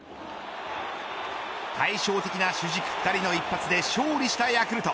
対照的な主軸２人の一発で勝利したヤクルト。